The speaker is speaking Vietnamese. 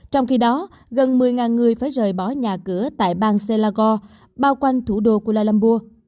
trong khi đó gần một mươi người phải rời bỏ nhà cửa tại bang selagore bao quanh thủ đô kuala lumburg